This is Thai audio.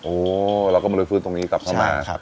โอ้แล้วก็มาหลือฟื้นตรงนี้กลับเข้ามา